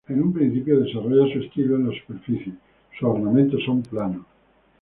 En un principio desarrolla su estilo en la superficie, sus ornamentos son planos.